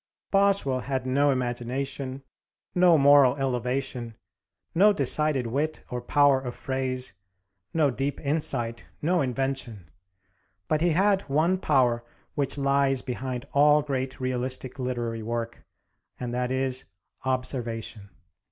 Boswell had no imagination, no moral elevation, no decided wit or power of phrase, no deep insight, no invention. But he had one power which lies behind all great realistic literary work; and that is, observation.